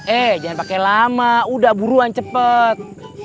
eh jangan pakai lama udah buruan cepet